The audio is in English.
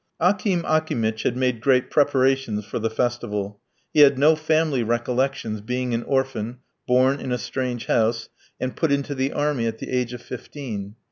Akim Akimitch had made great preparations for the festival. He had no family recollections, being an orphan, born in a strange house, and put into the army at the age of fifteen.